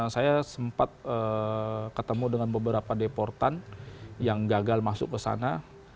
saya sempat ketemu dengan beberapa deportan yang gagal masuk ke sana